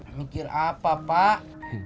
mikir apa pak